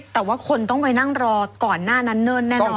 แต่ว่าคนต้องไปนั่งรอก่อนหน้านั้นเนิ่นแน่นอน